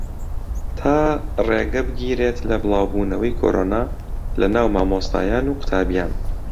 تا ڕێگە بگیرێت لە بڵاوبوونەوەی کۆرۆنا لەناو مامۆستایان و قوتابییان